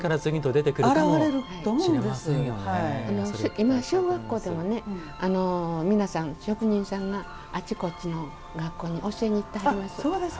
今、小学校でも皆さん、職人さんがあちこちの学校に教えに行ってはります。